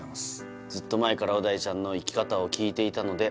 「ずっと前から小田井ちゃんの生き方を聞いていたので」